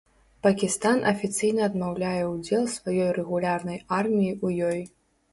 Пакістан афіцыйна адмаўляе ўдзел сваёй рэгулярнай арміі ў ёй.